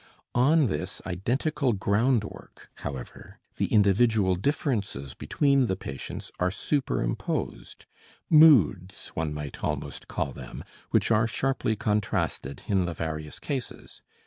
On this identical groundwork, however, the individual differences between the patients are superimposed moods one might almost call them, which are sharply contrasted in the various cases.